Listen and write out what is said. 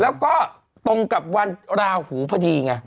แล้วก็ตรงกับวันราหูพอดีไง